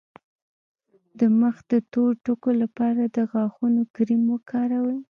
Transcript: د مخ د تور ټکو لپاره د غاښونو کریم وکاروئ